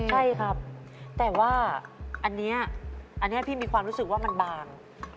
ใช่ครับแต่ว่าอันนี้พี่มีความรู้สึกว่ามันบาง